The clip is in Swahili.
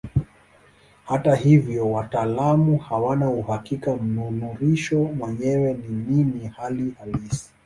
Hata hivyo wataalamu hawana uhakika mnururisho mwenyewe ni nini hali halisi.